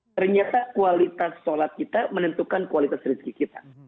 ternyata kualitas sholat kita menentukan kualitas rezeki kita